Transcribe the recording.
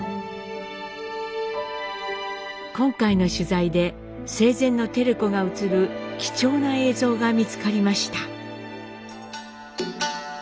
今回の取材で生前の照子が映る貴重な映像が見つかりました。